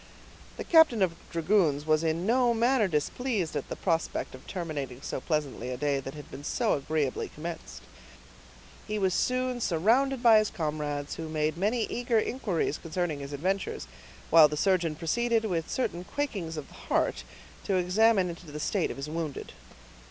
The captain of dragoons was in no manner displeased at the prospect of terminating so pleasantly a day that had been so agreeably commenced. He was soon surrounded by his comrades, who made many eager inquiries concerning his adventures, while the surgeon proceeded, with certain quakings of the heart, to examine into the state of his wounded.